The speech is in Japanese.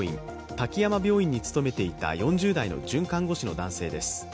滝山病院に勤めていた４０代の准看護師の男性です。